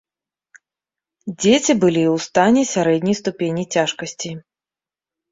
Дзеці былі ў стане сярэдняй ступені цяжкасці.